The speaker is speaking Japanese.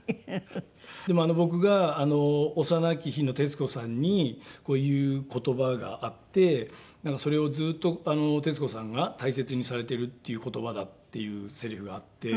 でも僕が幼き日の徹子さんに言う言葉があってなんかそれをずっと徹子さんが大切にされてるっていう言葉だっていうせりふがあって。